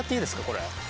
これ。